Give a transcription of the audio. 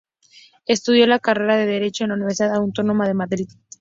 Estudió la carrera de Derecho en la Universidad Autónoma de Madrid.